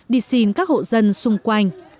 đi xin các hộ dân xung quanh